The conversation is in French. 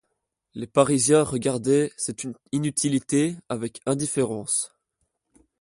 Les Parisiens regardaient cette inutilité avec indifférence.